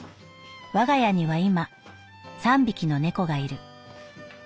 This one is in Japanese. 「我家には今三匹の猫がいる。